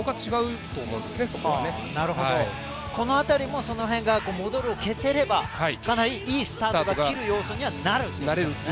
この辺りも、「戻る」を消せればかなりいいスタートが切れる要素にはなると。